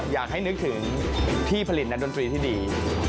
อยากให้นึกถึงที่ผลิตนักดนตรีที่ดี